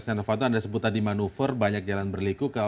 setia novanto anda sebut tadi manuver banyak jalan berliku